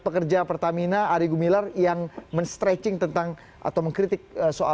pekerja pertamina ari gumilar yang men stretching tentang atau mengkritikkan ahok di bumn ini apa yang jadi